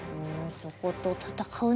そこと戦うのは？